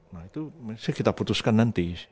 nah itu mesti kita putuskan nanti